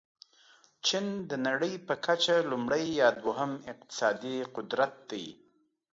چین د نړۍ په کچه لومړی یا دوم اقتصادي قدرت دی.